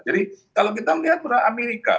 jadi kalau kita melihat pada amerika